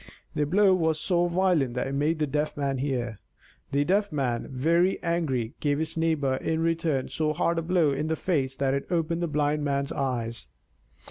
The blow was so violent that it made the Deaf Man hear! The Deaf Man, very angry, gave his neighbor in return so hard a blow in the face that it opened the Blind Man's eyes!